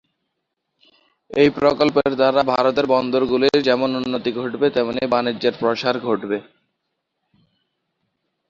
এই প্রকল্পের দ্বারা ভারতের বন্দর গুলির যেমন উন্নতি ঘটবে তেমনি বাণিজ্যের প্রসার ঘটবে।